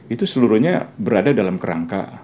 itu seluruhnya berada dalam kerangka